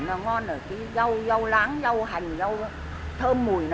nó ngon là cái rau rau láng rau hành rau thơm mùi